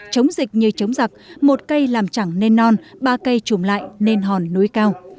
chống dịch như chống giặc một cây làm chẳng nên non ba cây trùm lại nên hòn núi cao